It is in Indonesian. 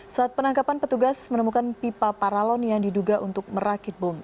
saat penangkapan petugas menemukan pipa paralon yang diduga untuk merakit bom